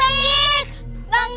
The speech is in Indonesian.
bang dik bangun